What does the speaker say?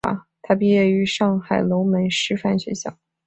他毕业于上海龙门师范学校。